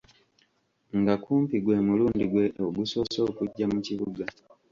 Nga kumpi gwe mulundi gwe ogusoose okujja mu kibuga.